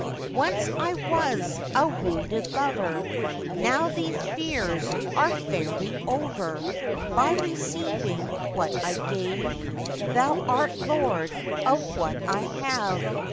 'Once I was a wounded lover, Now these fears are fairly over; By receiving what I gave, Thou art lord of what I have.